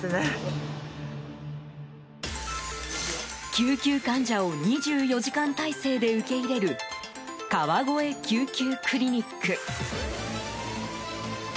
救急患者を２４時間体制で受け入れる川越救急クリニック。